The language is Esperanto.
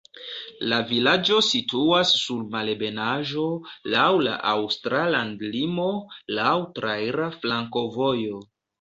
La vilaĝo situas sur malebenaĵo, laŭ la aŭstra landlimo, laŭ traira flankovojo.